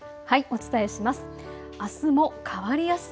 お伝えします。